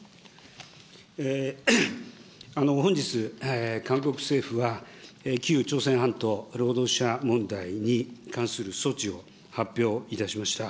本日、韓国政府は、旧朝鮮半島労働者問題に関する措置を発表いたしました。